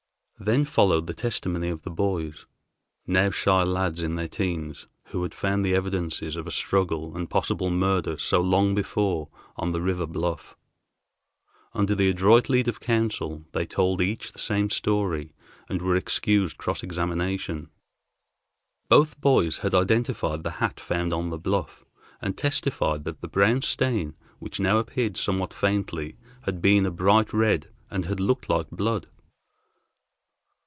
Then followed the testimony of the boys now shy lads in their teens, who had found the evidences of a struggle and possible murder so long before on the river bluff. Under the adroit lead of counsel, they told each the same story, and were excused cross examination. Both boys had identified the hat found on the bluff, and testified that the brown stain, which now appeared somewhat faintly, had been a bright red, and had looked like blood.